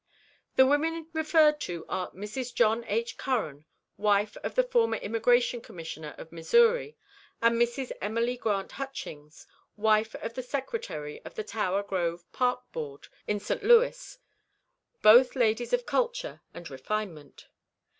The women referred to are Mrs. John H. Curran, wife of the former Immigration Commissioner of Missouri, and Mrs. Emily Grant Hutchings, wife of the Secretary of the Tower Grove Park Board in St. Louis, both ladies of culture and refinement.